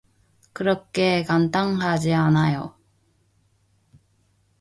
그렇게 간단하지 않아요.